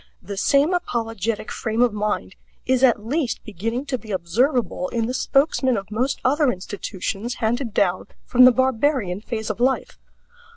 The same apologetic frame of mind is at least beginning to be observable in the spokesmen of most other institutions handed down from the barbarian phase of life.